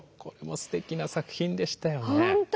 これもすてきな作品でしたよね。